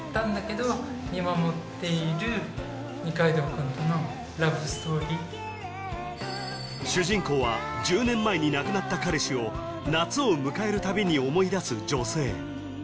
この曲で主人公は１０年前に亡くなった彼氏を夏を迎えるたびに思い出す女性